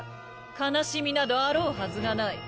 悲しみなどあろうはずがない。